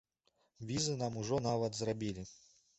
Візы нам ужо нават зрабілі.